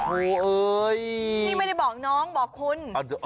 นี่ไม่ได้บอกน้องบอกขุน